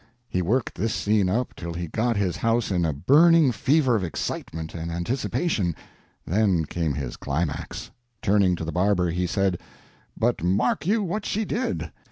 He worked this scene up till he got his house in a burning fever of excitement and anticipation, then came his climax. Turning to the barber, he said: "But mark you what she did.